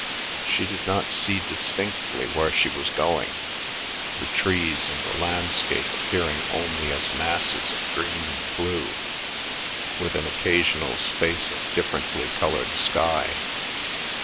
She did not see distinctly where she was going, the trees and the landscape appearing only as masses of green and blue, with an occasional space of differently coloured sky.